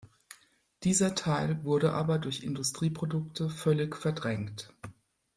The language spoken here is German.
Dieser Teil wurde aber durch Industrieprodukte völlig verdrängt.